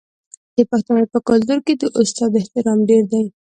د پښتنو په کلتور کې د استاد احترام ډیر دی.